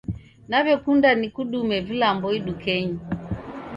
Naw'ekunda nikudume vilambo idukenyi.